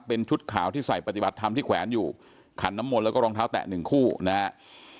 เป็นชุดขาวที่ใส่ปฏิบัติธรรมที่แขวนอยู่ขันน้ำมนต์แล้วก็รองเท้าแตะหนึ่งคู่นะครับ